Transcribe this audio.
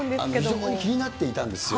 非常に気になっていたんですよ。